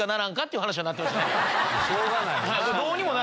しょうがないよな。